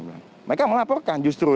mereka melaporkan justru